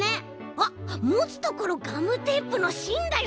あっもつところガムテープのしんだよね？